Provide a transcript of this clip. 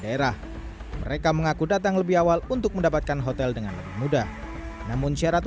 daerah mereka mengaku datang lebih awal untuk mendapatkan hotel dengan lebih mudah namun syarat